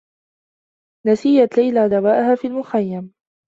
نسيت ليلى دواءها في المخيّم.